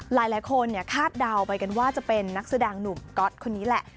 หลายคนคาดเดาไปกันว่าจะเป็นนักแสดงหนุ่มก๊อตคนนี้แหละ